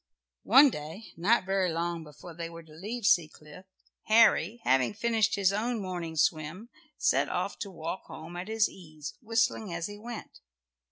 One day, not very long before they were to leave Seacliff, Harry, having finished his own morning swim, set off to walk home at his ease, whistling as he went.